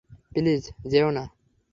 Please যেও না।